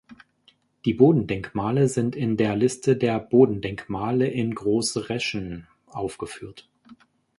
Die Bodendenkmale sind in der Liste der Bodendenkmale in Großräschen aufgeführt.